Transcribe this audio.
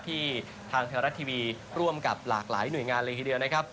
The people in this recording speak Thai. ทางไทยรัฐทีวีร่วมกับหลากหลายหน่วยงานเลยทีเดียวนะครับ